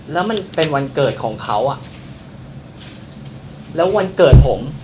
แล้วมันเป็นวันเกิดของเขาอ่ะแล้ววันเกิดผม